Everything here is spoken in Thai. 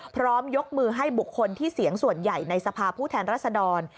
พร้อมยกมือให้บุคคลที่เสียงส่วนใหญ่ในสภาพผู้แทนรัศดร